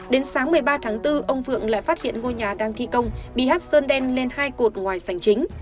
đến sáng một mươi ba tháng bốn ông phượng lại phát hiện ngôi nhà đang thi công bị hát sơn đen lên hai cột ngoài sành chính